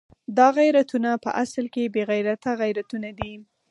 دا غیرتونه په اصل کې بې غیرته غیرتونه دي.